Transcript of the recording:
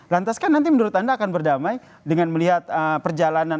lantaskan nanti menurut anda akan berdamai dengan melihat perjalanan